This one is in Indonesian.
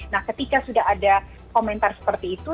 nah ketika sudah ada komentar seperti itu